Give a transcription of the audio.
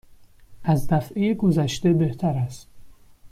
از دفعه گذشته بهتر است.